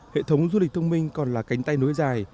hệ thống du lịch thông minh còn là cánh tay nối dài